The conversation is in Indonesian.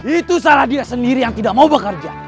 itu salah dia sendiri yang tidak mau bekerja